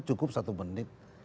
cukup satu menit